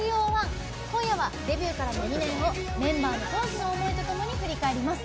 今夜はデビューからの２年をメンバーの当時の思い出とともに振り返ります。